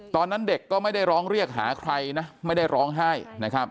ตอนนั้นเด็กก็ไม่ได้ร้องเรียกหาใครนะไม่ได้ร้องไห้นะครับ